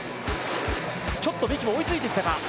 ちょっと三木も追いついてきたか。